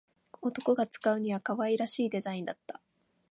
男が使うには可愛らしいデザインだった